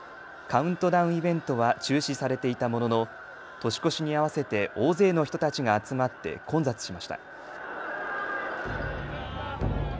カウントダウンイベントは中止されていたものの、年越しに合わせて大勢の人たちが集まって混雑しました。